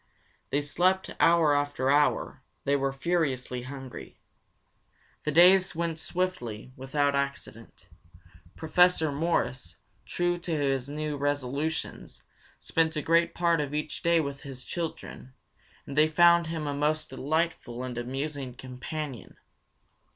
They slept hour after hour; they were furiously hungry. The days went swiftly, without accident. Professor Morris, true to his new resolutions, spent a great part of each day with his children, and they found him a most delightful and amusing companion.